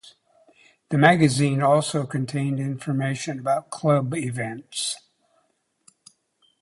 The magazine also contained information about club events.